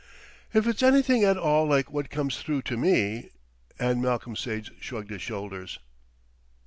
"If it's anything at all like what comes through to me " and Malcolm Sage shrugged his shoulders.